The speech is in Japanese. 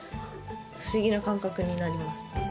不思議な感覚になります。